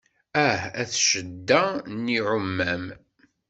Ah at cedda n yiɛumam.